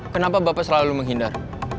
kenapa bapak selalu menghindar